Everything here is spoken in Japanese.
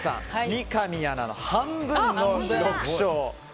三上アナの半分の６勝。